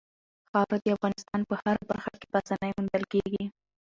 خاوره د افغانستان په هره برخه کې په اسانۍ موندل کېږي.